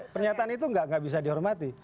pernyataan itu nggak bisa dihormati